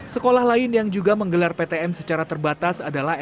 sekolah lain yang juga menggelar ptm secara terbatas adalah